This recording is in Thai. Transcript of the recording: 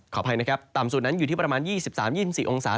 อภัยนะครับต่ำสุดนั้นอยู่ที่ประมาณ๒๓๒๔องศา